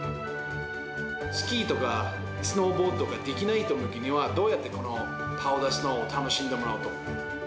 スキーとか、スノーボードができない人向けには、どうやってこのパウダースノーを楽しんでもらおうと。